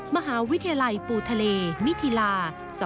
มหาวิทยาลัยปูทะเลมิธิลา๒๕๖